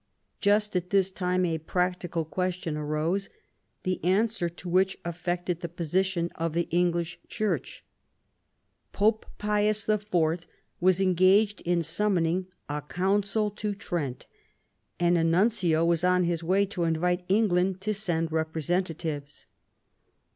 Just at this time a practical question arose, the answer to which affected the position of the English Church. Pope Pius IV. was engaged in summoning a Council to Trent, and a nuncio was on his way to invite England to send representatives.